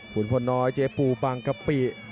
คุณผ่อนน้อยเจฟูบางกะปิ